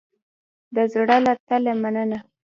د زړه له تله مننه